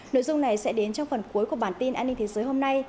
nội dung này sẽ đến trong phần cuối của bản tin an ninh thế giới hôm nay